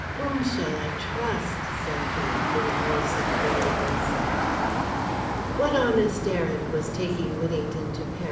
"Whom shall I trust?" said he, in a voice of weariness. "What honest errand was taking Whittington to Peri?"